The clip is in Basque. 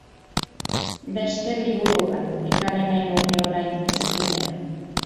Beste liburu bat ekarri nahi nuke orain hizpidera.